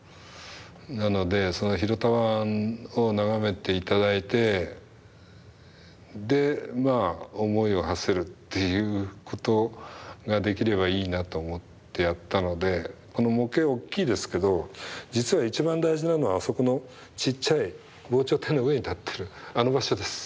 なのでその広田湾を眺めて頂いてでまあ思いをはせるっていうことができればいいなと思ってやったのでこの模型大きいですけど実は一番大事なのはあそこのちっちゃい防潮堤の上に立ってるあの場所です。